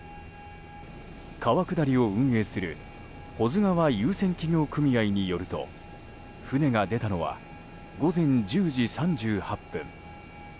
川下りを運営する保津川遊船企業組合によると船が出たのは午前１０時３８分。